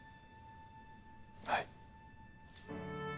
はい。